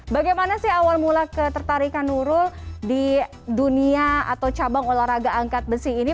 bagaimana sih awal mula ketertarikan nurul di dunia atau cabang olahraga angkat besi ini